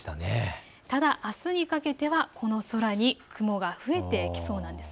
ただ、あすにかけてはこの空に雲が増えてきそうなんです。